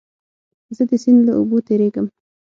زه د سیند له اوبو تېرېږم.